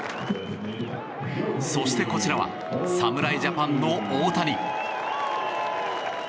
そしてこちらは侍ジャパンの大谷。